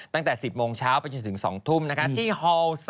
ตั้งแต่๑๐โมงเช้าไปจนถึง๒ทุ่มที่ฮ๓